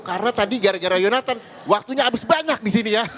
karena tadi gara gara yonatan waktunya abis banyak disini ya